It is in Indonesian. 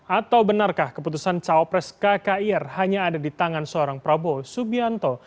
atau benarkah keputusan cawapres kkir hanya ada di tangan seorang prabowo subianto